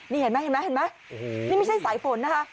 นี่เห็นไหมนี่ไม่ใช่สายผลนะคะ